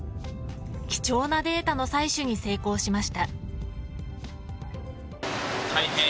貴重なデータの採取に成功しました。